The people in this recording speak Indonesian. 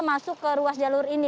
masuk ke ruas jalur ini